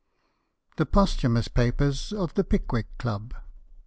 "THE POSTHUMOUS PAPERS OF THE PICKWICK CLUB."